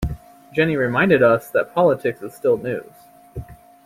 Jenny reminded us that politics is still news.